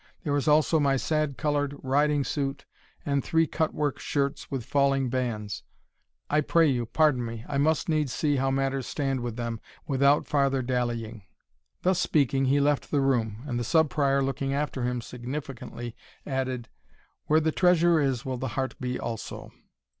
There is also my sad coloured riding suit, and three cut work shirts with falling bands I pray you, pardon me I must needs see how matters stand with them without farther dallying." Thus speaking, he left the room; and the Sub Prior, looking after him significantly, added, "Where the treasure is will the heart be also."